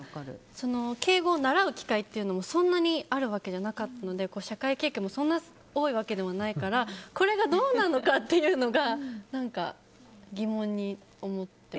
敬語を習う機会もそんなにあるわけじゃなかったので社会経験もそんなに多いわけでもないからこれがどうなのかというのが疑問に思って。